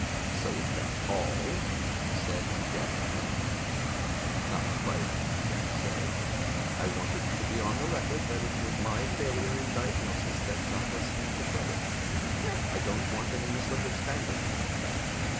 "So is that all?" he said when Jack had finished. "Not quite," Jack said. "I want it to be on the record that it was my failure in diagnosis that got us into trouble. I don't want any misunderstanding about that.